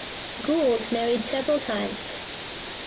Gould married several times.